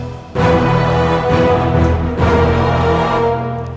ibu nda tunggu